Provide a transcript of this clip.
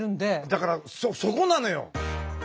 だからそこなのよ。